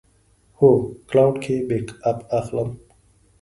هو، کلاوډ کې بیک اپ اخلم